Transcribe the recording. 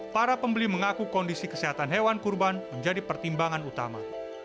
para pembeli mengaku kondisi kesehatan hewan kurban menjadi pertimbangan utama